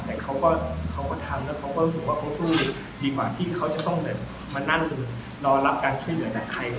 แต่เขาก็ทำและเขาก็สู้ดีกว่าที่เขาจะต้องมานั่นรอรับการช่วยเหลือจากใคร